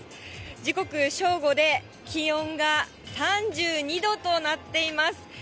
時刻、正午で気温が３２度となっています。